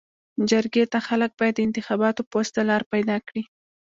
جرګي ته خلک باید د انتخاباتو پواسطه لار پيداکړي.